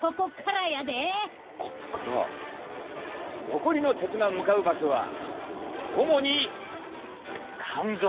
残りの鉄が向かう場所は主に肝臓。